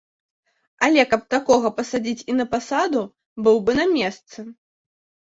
Але каб такога пасадзіць і на пасаду, быў бы на месцы.